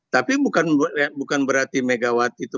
tapi bukan berarti megawati itu